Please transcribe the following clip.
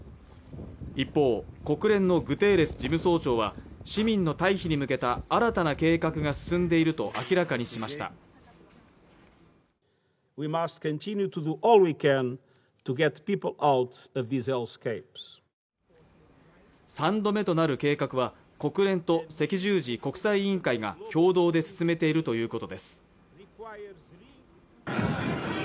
一方、国連のグテーレス事務総長は市民の退避に向けた新たな計画が進んでいると明らかにしました３度目となる計画は国連と赤十字国際委員会が共同で進めているということです